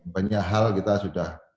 banyak hal kita sudah